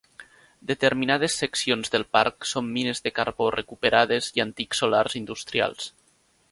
Determinades seccions del parc són mines de carbó recuperades i antics solars industrials.